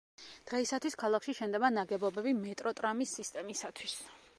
დღეისათვის ქალაქში შენდება ნაგებობები მეტროტრამის სისტემისათვის.